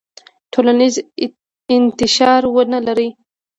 ټولنیز انتشار ونلري.